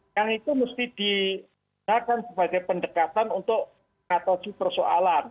yang itu mesti diberikan sebagai pendekatan untuk katosik persoalan